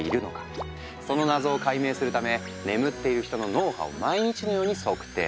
その謎を解明するため眠っている人の脳波を毎日のように測定。